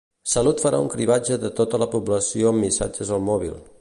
Salut farà un cribratge de tota la població amb missatges al mòbil.